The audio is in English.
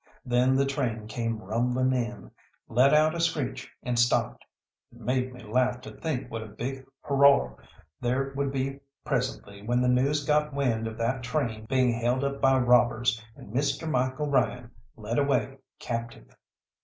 Then the train came rumbling in, let out a screech, and stopped. It made me laugh to think what a big hurroar there would be presently when the news got wind of that train being held up by robbers, and Mr. Michael Ryan led away captive.